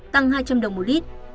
tăng hai trăm linh đồng một lít